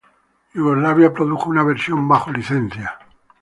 Yugoslavia produjo una versión bajo licencia.